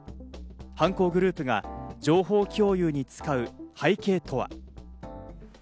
犯行グループが情報共有に使う背景とは？